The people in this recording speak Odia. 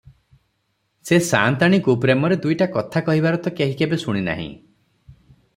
ସେ ସାଆନ୍ତାଣୀଙ୍କୁ ପ୍ରେମରେ ଦୁଇଟା କଥା କହିବାର ତ କେହି କେବେ ଶୁଣି ନାହିଁ ।